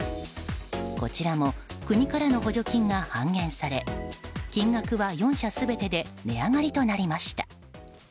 こちらも国からの補助金が半減され金額は４社全てで値上がりとなりました。